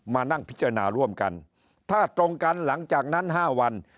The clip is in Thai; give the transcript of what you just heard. มานั่งพิจารณาร่วมกันถ้าตรงกันหลังจากนั้น๕วัน